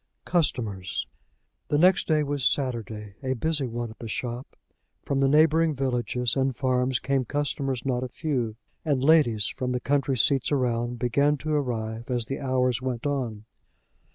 CUSTOMERS. The next day was Saturday, a busy one at the shop. From the neighboring villages and farms came customers not a few; and ladies, from the country seats around, began to arrive as the hours went on.